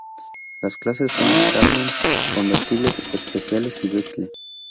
Las clases son Karmann, convertibles especiales y Beetle.